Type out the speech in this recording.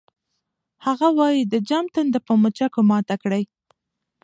هغه وایی د جام تنده په مچکو ماته کړئ